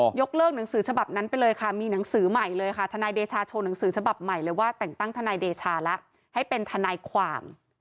ยกเลิกหนังสือฉบับนั้นไปเลยค่ะมีหนังสือใหม่เลยค่ะทนายเดชาโชว์หนังสือฉบับใหม่เลยว่าแต่งตั้งทนายเดชาแล้วให้เป็นทนายความ